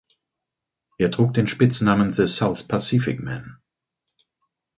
Er trug den Spitznamen „The South Pacific Man“.